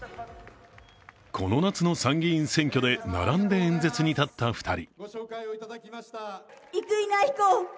この夏の参議院選挙で並んで演説に立った２人。